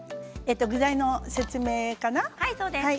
具材の説明かな？